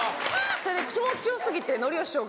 それで気持ち良過ぎてのりお師匠が。